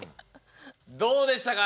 どうでしたか？